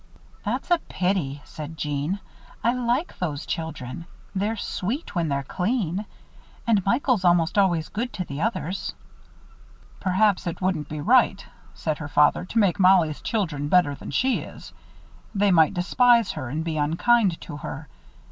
"That's a pity," said Jeanne. "I like those children. They're sweet when they're clean. And Michael's almost always good to the others." "Perhaps it wouldn't be right," said her father, "to make Mollie's children better than she is. They might despise her and be unkind to her.